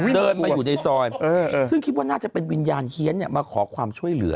เดินมาอยู่ในซอยซึ่งคิดว่าน่าจะเป็นวิญญาณเฮียนมาขอความช่วยเหลือ